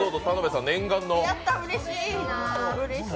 やった、うれしい！